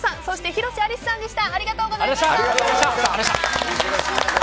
広瀬アリスさんでした。